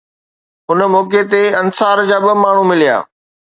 ان موقعي تي انصار جا ٻه ماڻهو مليا